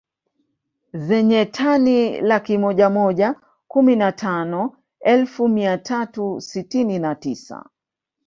Zenye tani laki moja moja kumi na tano elfu mia tatu sitini na tisa